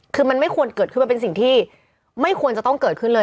คือมันไม่ควรเกิดขึ้นมันเป็นสิ่งที่ไม่ควรจะต้องเกิดขึ้นเลย